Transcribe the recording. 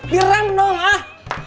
direm dong ah